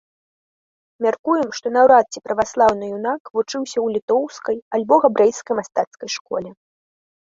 Мяркуем, што наўрад ці праваслаўны юнак вучыўся ў літоўскай альбо габрэйскай мастацкай школе.